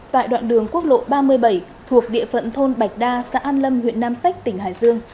tại đoạn đường quốc lộ ba mươi bảy thuộc địa phận thôn bạch đa xã an lâm huyện nam sách tỉnh hải dương